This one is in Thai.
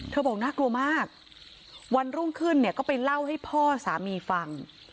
บอกน่ากลัวมากวันรุ่งขึ้นเนี่ยก็ไปเล่าให้พ่อสามีฟัง